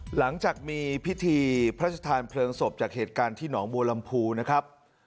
หลังจากมีพิธีพระชธานเพลิงศพจากเหตุการณ์ที่หนองบัวลำพูนะครับ